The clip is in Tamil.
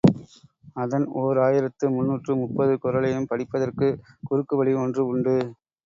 அதன் ஓர் ஆயிரத்து முன்னூற்று முப்பது குறளையும் படிப்பதற்குக் குறுக்குவழி ஒன்று உண்டு.